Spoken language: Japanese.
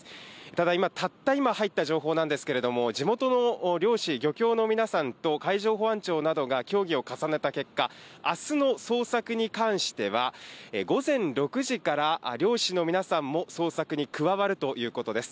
ただ、今、たった今入った情報なんですけれども、地元の漁師、漁協の皆さんと海上保安庁などが協議を重ねた結果、あすの捜索に関しては、午前６時から、漁師の皆さんも捜索に加わるということです。